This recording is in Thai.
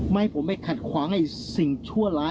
ให้ผมไปขัดขวางไอ้สิ่งชั่วร้าย